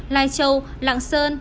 lai châu lạng sơn